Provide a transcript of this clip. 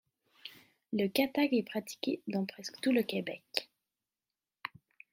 Le Katag est pratiqué dans presque tout le Québec.